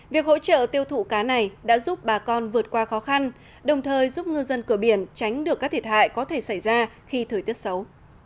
việc hỗ trợ tiêu thụ cá này đã giúp bà con vượt qua khó khăn đồng thời giúp ngư dân cửa biển tránh được các thiệt hại có thể xảy ra khi thời tiết xấu